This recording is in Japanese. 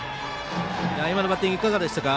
今のバッティングいかがでしたか。